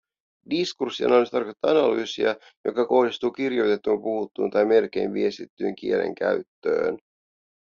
Diskurssianalyysi tarkoittaa analyysiä, joka kohdistuu kirjoitettuun, puhuttuun tai merkein viestittyyn kielen käyttöön